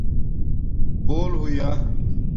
بُول ہویا